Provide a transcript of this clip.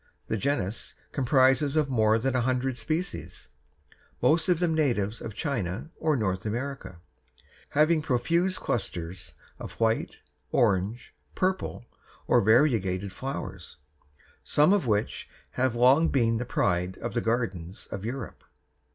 The genus comprises more than a hundred species, most of them natives of China or North America, having profuse clusters of white, orange, purple, or variegated flowers, some of which have long been the pride of the gardens of Europe.